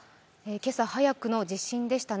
今朝早くの地震でしたね。